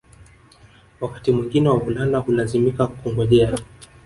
Wakati mwingine wavulana hulazimika kungojea